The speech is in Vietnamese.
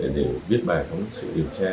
để viết bài phóng sự điều tra